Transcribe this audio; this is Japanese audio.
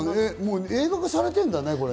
映画化されてるんだよね？